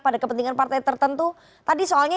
pada kepentingan partai tertentu tadi soalnya